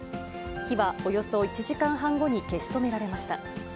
火はおよそ１時間半後に消し止められました。